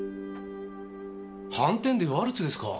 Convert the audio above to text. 半纏でワルツですか。